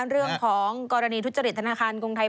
เรื่องของกรณีทุจริตธนาคารกรุงไทย